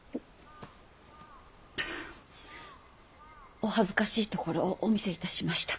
お恥ずかしいところをお見せいたしました。